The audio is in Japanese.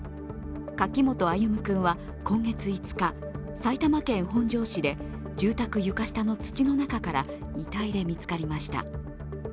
柿本歩夢君は今月５日、埼玉県本庄市で住宅床下の土の中から遺体で見つかりました。